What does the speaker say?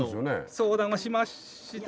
相談はしました。